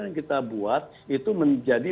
yang kita buat itu menjadi